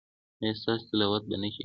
ایا ستاسو تلاوت به نه کیږي؟